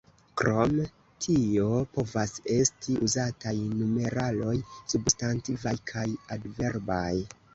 Krom tio povas esti uzataj numeraloj substantivaj kaj adverbaj.